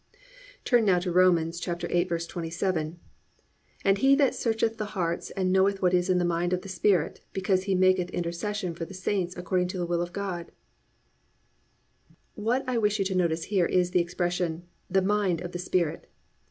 (3) Turn now to Rom. 8:27. +"And he that searcheth the hearts knoweth what is the mind of the Spirit, because he maketh intercession for the saints according to the will of God."+ What I wish you to notice here is expression, "the mind of the Spirit."